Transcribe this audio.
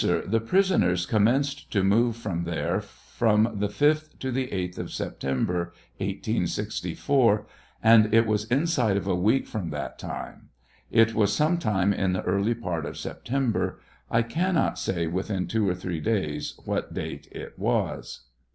The prisoners commenced to move from there from the 5th to the 8tb of Septembi 1864, and it was inside of a week from that time ; it was some time in the early part of Se tember ; I cannot say within two or three days what date it was.